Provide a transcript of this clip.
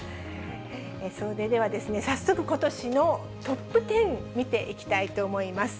それではですね、さっそくことしのトップ１０、見ていきたいと思います。